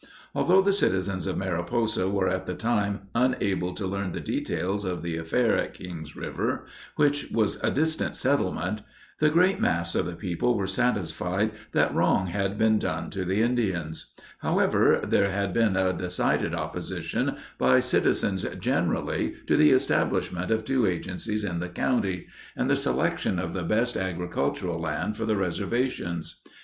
Although the citizens of Mariposa were at the time unable to learn the details of the affair at Kings River, which was a distant settlement, the great mass of the people were satisfied that wrong had been done to the Indians; however, there had been a decided opposition by citizens generally to the establishment of two agencies in the county, and the selection of the best agricultural lands for reservations.